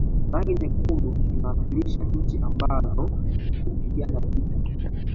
rangi nyekundu inawakilisha nchi ambazo zilipigana vita